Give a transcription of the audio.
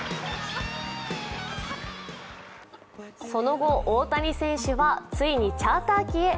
その後、大谷選手はついにチャーター機へ。